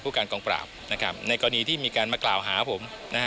การกองปราบในกรณีที่มีการมากล่าวหาผม